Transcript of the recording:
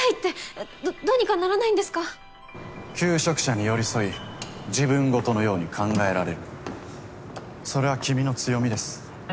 えっどどうにかなら求職者に寄り添い自分事のように考えられるそれは君の強みです。